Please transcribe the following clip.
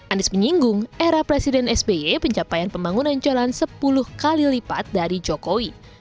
anies menyinggung era presiden sby pencapaian pembangunan jalan sepuluh kali lipat dari jokowi